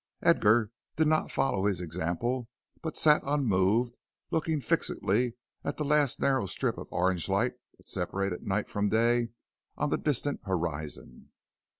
Edgar did not follow his example but sat unmoved, looking fixedly at the last narrow strip of orange light that separated night from day on the distant horizon.